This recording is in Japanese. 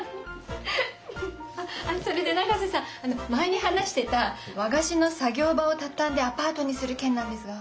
あっそれで永瀬さん前に話してた和菓子の作業場をたたんでアパートにする件なんですが。